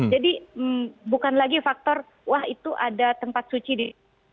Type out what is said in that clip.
jadi bukan lagi faktor wah itu ada tempat suci di